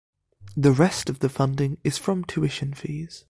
The rest of funding is from tuition fees.